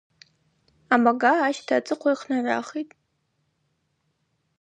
Абага ащта ацӏыхъвала йхънагӏвахитӏ.